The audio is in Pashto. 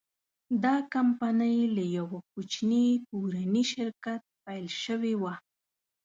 دا کمپنۍ له یوه کوچني کورني شرکت پیل شوې وه.